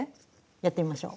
やってみましょう。